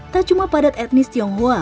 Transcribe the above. tak cuma padat etnis tionghoa